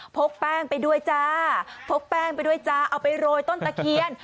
พกแป้งไปด้วยจ้าพกแป้งไปด้วยจ้าเอาไปโรยต้นตะเคียน